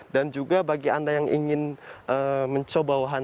dan juga bagi anda yang ingin mencoba wahana ondo langit